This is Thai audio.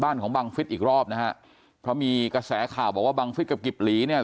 ของบังฟิศอีกรอบนะฮะเพราะมีกระแสข่าวบอกว่าบังฟิศกับกิบหลีเนี่ย